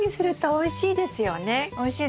おいしいですよね。